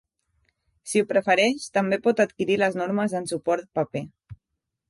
Si ho prefereix, també pot adquirir les normes en suport paper.